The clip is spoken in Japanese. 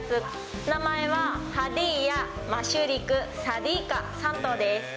名前はハディーヤ、マシュリク、サディーカの３頭です。